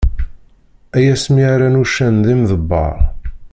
Ay asmi rran uccen d imḍebber!